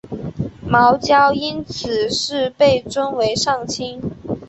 茅焦因此事被尊为上卿。